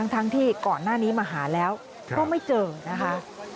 ทั้งที่ก่อนหน้านี้มาหาแล้วก็ไม่เจอนะคะ